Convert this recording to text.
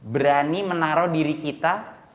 berani menaruh diri kita